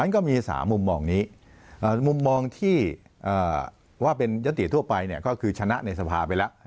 ก็มี๓มุมมองนี้มุมมองที่ว่าเป็นยติทั่วไปก็คือชนะในสภาไปแล้ว